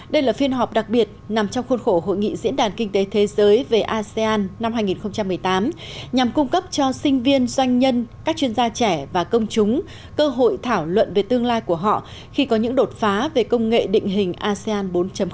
đây là phiên họp đặc biệt nằm trong khuôn khổ hội nghị diễn đàn kinh tế thế giới về asean năm hai nghìn một mươi tám nhằm cung cấp cho sinh viên doanh nhân các chuyên gia trẻ và công chúng cơ hội thảo luận về tương lai của họ khi có những đột phá về công nghệ định hình asean bốn